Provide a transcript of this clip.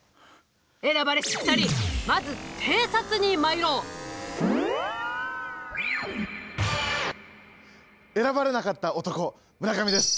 選ばれし２人まず偵察に参ろう。選ばれなかった男村上です。